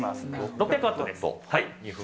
６００ワットです。